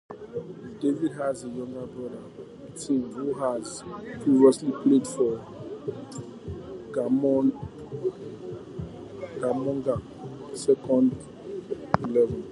David has a younger brother, Tim, who has previously played for Glamorgan's second eleven.